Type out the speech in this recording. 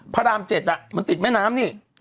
พระราม๗มันติดแม่น้ำนี่